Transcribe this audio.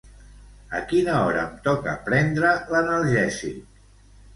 A quina hora em toca prendre l'analgèsic?